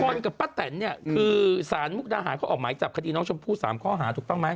กับป้าแตนเนี่ยคือสารมุกดาหารเขาออกหมายจับคดีน้องชมพู่๓ข้อหาถูกต้องไหม